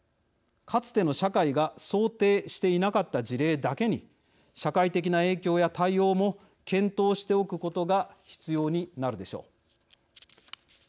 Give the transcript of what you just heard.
かつての社会が想定してなかった事例だけに社会的な影響や対応も検討しておくことが必要になるでしょう。